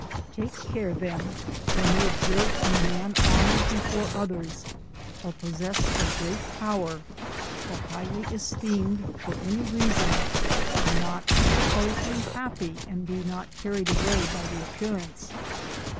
Take care, then, when you observe a man honoured before others or possessed of great power, or highly esteemed for any reason, not to suppose him happy and be not carried away by the appearance.